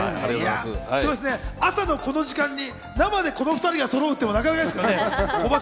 朝のこの時間に生でこの２人がそろうってなかなかですね。